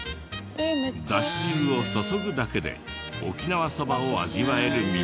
だし汁を注ぐだけで沖縄そばを味わえるみたい。